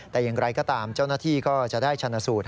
แต่อย่างไรก็ตามเจ้าหน้าที่ก็จะได้ชนะสูตร